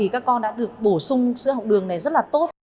các con đã được bổ sung sữa học đường này rất là tốt